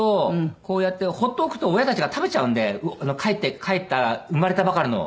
こうやってほっとくと親たちが食べちゃうんでかえった生まれたばかりの。